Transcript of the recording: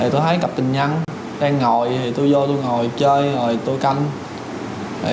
tôi thấy cặp tình nhân đang ngồi tôi vô tôi ngồi chơi rồi tôi canh